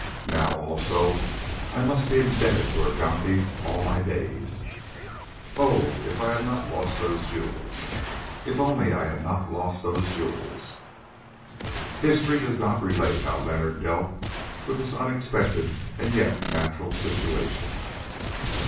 Now also I must be indebted to her bounty all my days. Oh! if I had not lost the jewels—if only I had not lost the jewels!" History does not relate how Leonard dealt with this unexpected and yet natural situation.